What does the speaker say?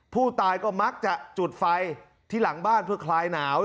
ผู้ตายก็มักจะจุดไฟที่หลังบ้านเพื่อคลายหนาว